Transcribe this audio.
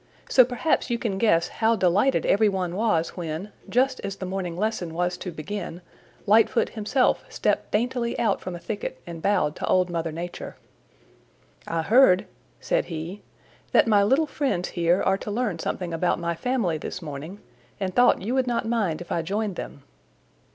So perhaps you can guess how delighted every one was when, just as the morning lesson was to begin, Lightfoot himself stepped daintily out from a thicket and bowed to Old Mother Nature. "I heard," said he, "that my little friends here are to learn something about my family this morning, and thought you would not mind if I joined them."